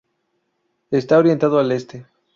Está orientado al Este.